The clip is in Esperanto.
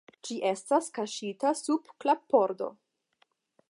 Ĝi estas kaŝita sub klappordo.